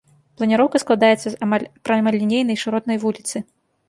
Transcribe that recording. Планіроўка складаецца з амаль прамалінейнай шыротнай вуліцы.